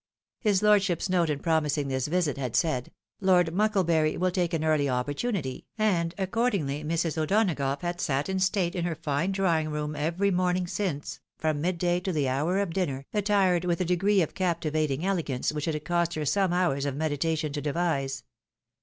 His lordship's note in promising this visit, had said, " Lord Muckle bury will take an early opportunity." and accordingly Mrs. O'Donagough had sat in state in her fine drawing room every morning since, from midday to the hour of dinner, attired with a degree of captivating elegance which it had cost her some hours of meditation to devise.